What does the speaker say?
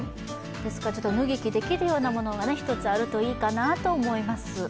脱ぎ着できるようなものが１つあるといいかなと思います。